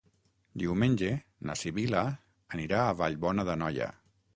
Diumenge na Sibil·la anirà a Vallbona d'Anoia.